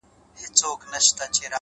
o کلونه کیږي بې ځوابه یې بې سواله یې ـ